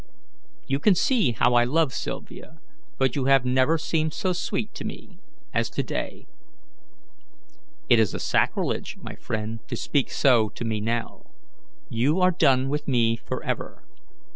You can see how I love Sylvia, but you have never seemed so sweet to me as to day." "It is a sacrilege, my friend, to speak so to me now. You are done with me forever.